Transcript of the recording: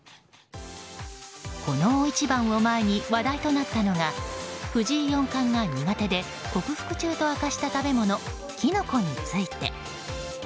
この大一番を前に話題となったのが藤井四冠が苦手で克服中と明かした食べ物、キノコについて。